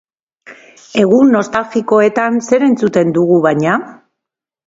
Egun nostalgikoetan zer entzuten dugu, baina?